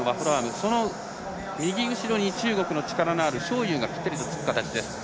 その右後ろに中国の力のある章勇がぴったりとつく形です。